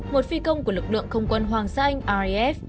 một phi công của lực lượng không quân hoàng gia anh raf